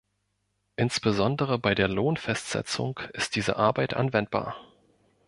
Insbesondere bei der Lohnfestsetzung ist diese Arbeit anwendbar.